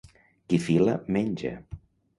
Qui fila menja.